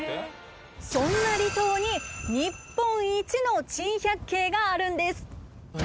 そんな離島に日本一の珍百景があるんです。